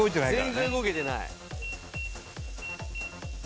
全然動けてない。